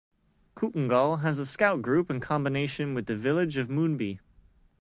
Kootingal has a Scout group in combination with the village of Moonbi.